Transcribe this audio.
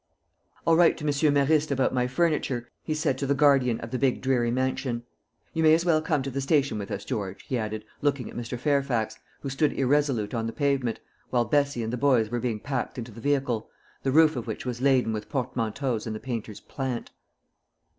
"I'll write to Monsieur Meriste about my furniture," he said to the guardian of the big dreary mansion. "You may as well come to the station with us, George," he added, looking at Mr. Fairfax, who stood irresolute on the pavement, while Bessie and the boys were being packed into the vehicle, the roof of which was laden with portmanteaus and the painter's "plant."